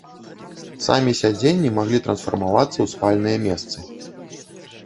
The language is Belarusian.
Самі сядзенні маглі трансфармавацца ў спальныя месцы.